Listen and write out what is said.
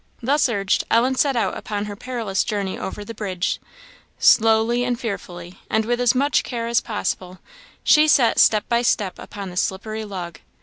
Thus urged, Ellen set out upon her perilous journey over the bridge. Slowly and fearfully, and with as much care as possible, she set step by step upon the slippery log.